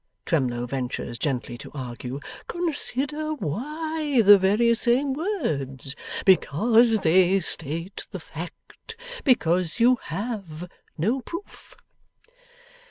Twemlow ventures gently to argue. 'Consider why the very same words? Because they state the fact. Because you HAVE no proof.